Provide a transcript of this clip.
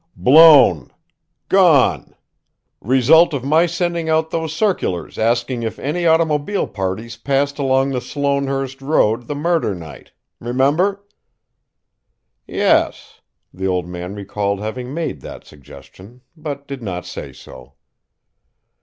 "Blown! Gone! Result of my sending out those circulars asking if any automobile parties passed along the Sloanehurst road the murder night. Remember?" "Yes." The old man recalled having made that suggestion, but did not say so.